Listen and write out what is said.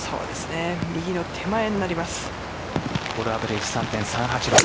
右の手前になります。